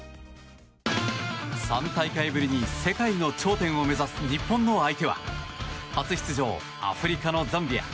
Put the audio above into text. ３大会ぶりに世界の頂点を目指す日本の相手は初出場、アフリカのザンビア。